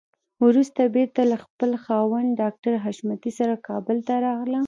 وروسته بېرته له خپل خاوند ډاکټر حشمتي سره کابل ته راغله.